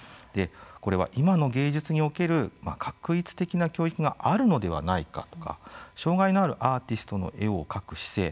これは今の芸術における画一的な教育があるのではないかとか障害のあるアーティストの絵を描く姿勢